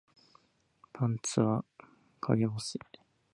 パンツは陰干し